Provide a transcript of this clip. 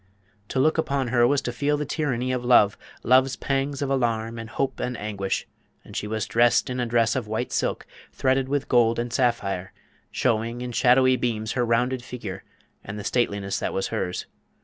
To look upon her was to feel the tyranny of love, love's pangs of alarm and hope and anguish; and she was dressed in a dress of white silk, threaded with gold and sapphire, showing in shadowy beams her rounded figure and the stateliness that was hers.